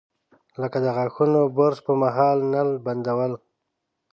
لکه د غاښونو برش پر مهال نل بندول.